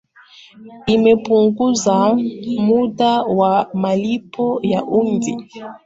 imepunguza muda wa malipo ya hundi